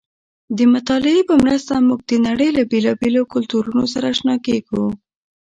د مطالعې په مرسته موږ د نړۍ له بېلابېلو کلتورونو سره اشنا کېږو.